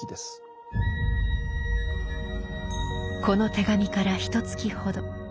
この手紙からひとつきほど。